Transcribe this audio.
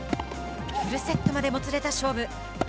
フルセットまでもつれた勝負。